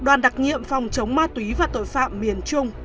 đoàn đặc nhiệm phòng chống ma túy và tội phạm miền trung